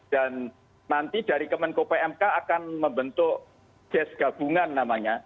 dan nanti dari kemenko pmk akan membentuk desk gabungan namanya